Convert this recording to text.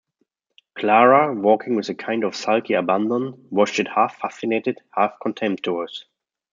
Clara, walking with a kind of sulky abandon, watched it half-fascinated, half-contemptuous.